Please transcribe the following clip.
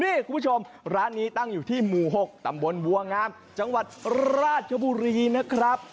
นี่คุณผู้ชมร้านนี้ตั้งอยู่ที่หมู่๖ตำบลบัวงามจังหวัดราชบุรีนะครับ